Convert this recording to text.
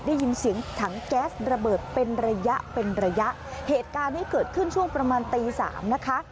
ได้ยินเสียงถังแก๊สระเบิดเป็นระยะเป็นระยะเหตุการณ์ที่เกิดขึ้นช่วงประมาณตีสามนะคะ